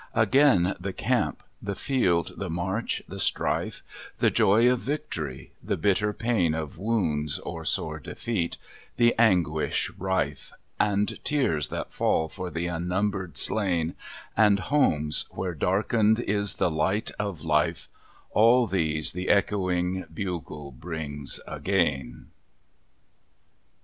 Again the camp, the field, the march, the strife, The joy of victory, the bitter pain Of wounds or sore defeat; the anguish rife, And tears that fall for the unnumbered slain, And homes, where darkened is the light of life, All these the echoing bugle brings again."